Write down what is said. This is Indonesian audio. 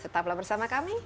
setaplah bersama kami